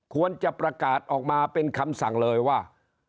ควรจะประกาศออกมาเป็นคำสั่งเลยว่า